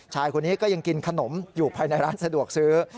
ชายคนนี้ก็ยังกินขนมอยู่ภายในร้านสะดวกซื้อ